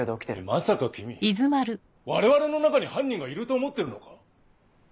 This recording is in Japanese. まさか君我々の中に犯人がいると思ってるのか？